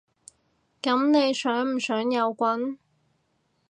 噉你想唔想有棍？